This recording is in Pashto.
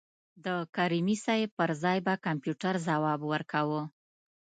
د کریمي صیب پر ځای به کمپیوټر ځواب ورکاوه.